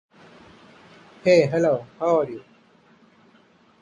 I can hear it quite plainly.